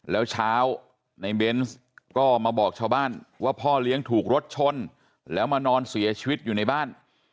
แล้วเช้าในเบนส์ก็มาบอกชาวบ้านว่าพ่อเลี้ยงถูกรถชนแล้วมานอนเสียชีวิตอยู่ในบ้าน